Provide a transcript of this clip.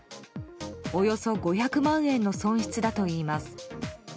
およそ５００万円の損失だといいます。